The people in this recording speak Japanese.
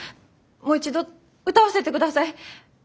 もう一度歌わせてください。